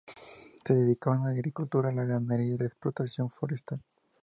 Se dedicaban a la agricultura, la ganadería y la explotación forestal.